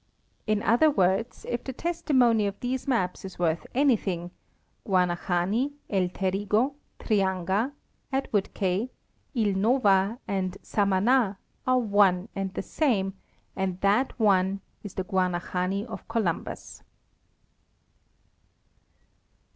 In other words, if the testi mony of these maps is worth anything, Guanahani, El Terrigo, Trianga, Atwood Cay, Isle Nova and Samana are one and the same, and that one is the Guanahani of Columbus.